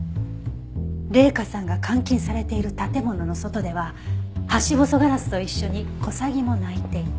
麗華さんが監禁されている建物の外ではハシボソガラスと一緒にコサギも鳴いていた。